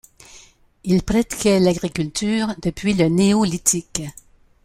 Ils pratiquaient l'agriculture depuis le néolithique.